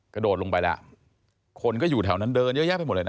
กระโดดลงไปแล้วคนก็อยู่แถวนั้นเดินเยอะแยะไปหมดเลยนะ